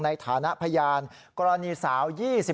ในฐานะพยานกรณีสาว๒๕